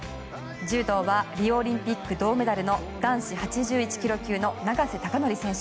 柔道はリオオリンピック銅メダルの男子８１ｋｇ級の永瀬貴規選手